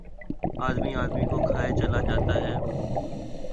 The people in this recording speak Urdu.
آدمی، آدمی کو کھائے چلا جاتا ہے